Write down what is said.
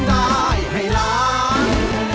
มุกร้อน